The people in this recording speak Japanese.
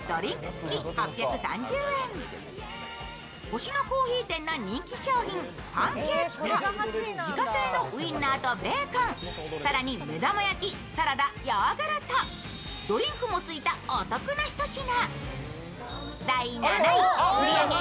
星乃珈琲店の人気商品パンケーキと自家製のウインナーとベーコン、更に目玉焼き、サラダ、ヨーグルト、ドリンクもついたお得なひと品。